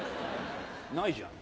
ないじゃん。